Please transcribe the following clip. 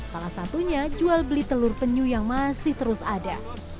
salah satunya jual beli telur penyu yang masih terus ada